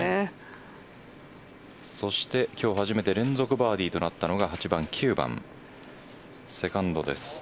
そして、今日初めて連続バーディーとなったのが８番、９番セカンドです。